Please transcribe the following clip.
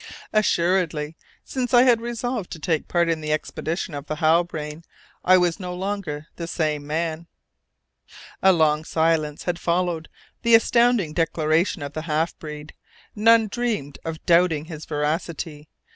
Assuredly, since I had resolved to take part in the expedition of the Halbrane, I was no longer the same man! A long silence had followed the astounding declaration of the half breed. None dreamed of doubting his veracity.